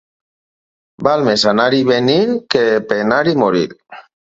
Val més anar i venir que penar i morir.